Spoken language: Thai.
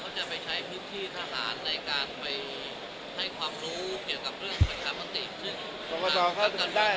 เขาจะไปใช้พื้นที่ทหารในการไปให้ความรู้เกี่ยวกับเรื่องประชาภาษี